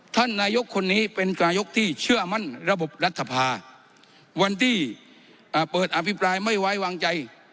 ท่านนายกคนนี้เป็นนายกที่เชื่อมั่นระบบรัฐภาวันที่เปิดอภิปรายไม่ไว้วางใจ